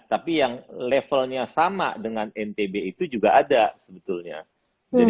tapi yang levelnya sama dengan ntb itu juga ada sebetulnya